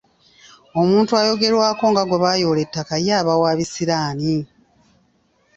Omuntu ayogerwako nga gwe baayoola ettaka ye aba wa bisiraani.